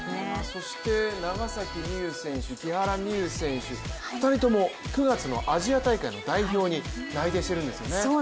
そして、長崎美柚選手木原美悠選手、２人とも９月のアジア大会の代表に内定してるんですよね。